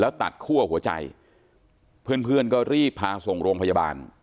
แล้วตัดคั่วหัวใจเพื่อนเพื่อนก็รีบพาส่งโรงพยาบาล